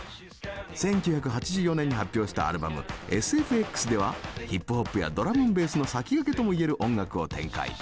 １９８４年に発表したアルバム「Ｓ・Ｆ・Ｘ」ではヒップホップやドラムもベースも先駆けとも言える音楽を展開。